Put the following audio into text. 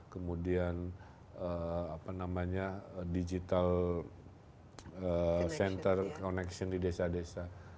kemudian apa namanya digital center connection di desa desa